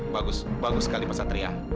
bagus bagus sekali pak satria